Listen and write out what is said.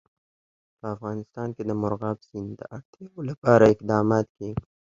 په افغانستان کې د مورغاب سیند د اړتیاوو لپاره اقدامات کېږي.